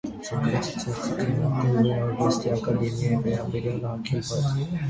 Ցանկացած հարցի քննարկում գեղարվեստի ակադեմիայի վերաբերյալ արգելվեց։